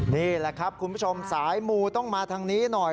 นี่แหละครับคุณผู้ชมสายมูต้องมาทางนี้หน่อย